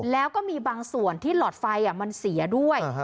แล้วก็มีบางส่วนที่หลอดไฟมันเสียด้วย